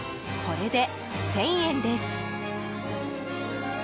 これで１０００円です。